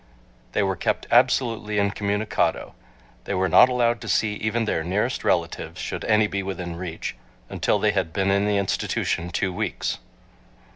They were kept absolutely incommunicado. They were not allowed to see even their nearest relatives, should any be within reach, until they had been in the institution two weeks.